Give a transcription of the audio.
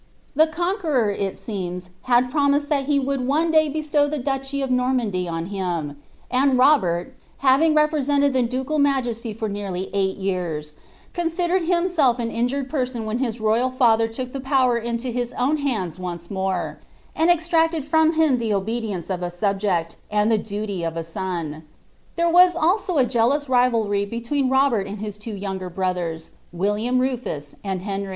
The Conqueror, il seeme, huiI promised that lie woiilJ one day lieatDw ihe duchy ofNoimandy on him; and Roberl, hnving rcpreBcnted the dncul majesty for nearly eight years, considered himself an injured' penon when his royal father took tlie power into his own hands once more* utd nacled from him the obedience of a subjerL, and the duty of ■ son.' There was nI»o a jealous rivalry between Robert and his two youager brnthers, Willioui Rnfua and Henr>